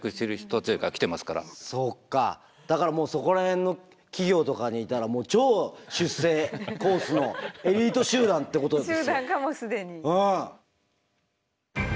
だからそこら辺の企業とかにいたらもう超出世コースのエリート集団ってことなんですよ。